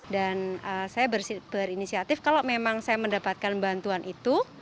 dan saya berinisiatif kalau memang saya mendapatkan bantuan itu